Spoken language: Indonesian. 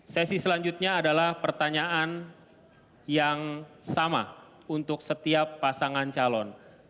sesi selanjutnya adalah pertanyaan yang sama untuk setiap pasangan calon